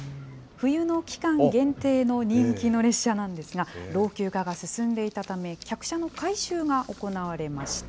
冬の期間限定の人気の列車なんですが、老朽化が進んでいたため、客車の改修が行われました。